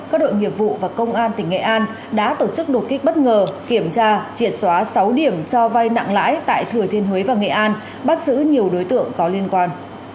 các đội nghiệp vụ và công an tỉnh nghệ an đã tổ chức đột kích bất ngờ kiểm tra triệt xóa sáu điểm cho vay nặng lãi tại thừa thiên huế và nghệ an bắt giữ nhiều đối tượng có liên quan